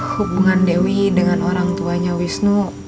hubungan dewi dengan orang tuanya wisnu